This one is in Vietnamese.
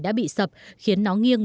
đã bị sập khiến nó nghiêng